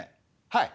はい！